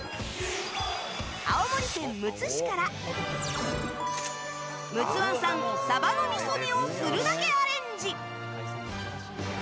青森県むつ市から陸奥湾産、鯖の味噌煮をするだけアレンジ。